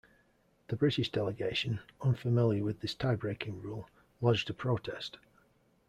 The British delegation, unfamiliar with this tie-breaking rule, lodged a protest.